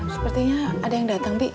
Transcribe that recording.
sepertinya ada yang datang bi